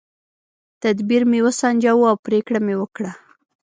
تدبیر مې وسنجاوه او پرېکړه مې وکړه.